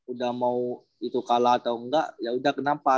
udah mau itu kalah atau enggak yaudah kenapa